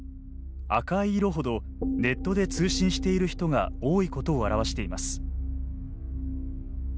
赤い色ほどネットで通信している人が多いことを表しています。